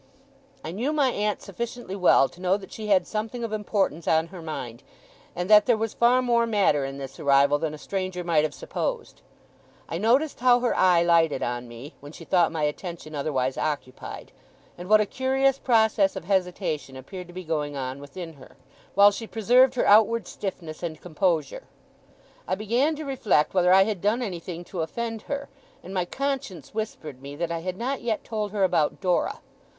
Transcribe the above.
I knew my aunt sufficiently well to know that she had something of importance on her mind, and that there was far more matter in this arrival than a stranger might have supposed. I noticed how her eye lighted on me, when she thought my attention otherwise occupied; and what a curious process of hesitation appeared to be going on within her, while she preserved her outward stiffness and composure. I began to reflect whether I had done anything to offend her; and my conscience whispered me that I had not yet told her about Dora.